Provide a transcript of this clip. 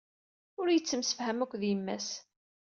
Ur yettemsefham akked yemma-s.